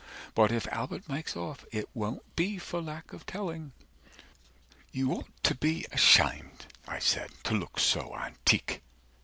But if Albert makes off, it won't be for lack of telling. 155 You ought to be ashamed, I said, to look so antique.